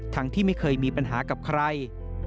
ที่ไม่เคยมีปัญหากับใคร